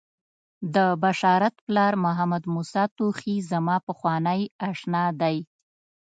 د بشارت پلار محمدموسی توخی زما پخوانی آشنا دی.